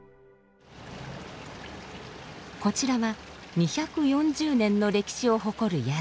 こちらは２４０年の歴史を誇る宿。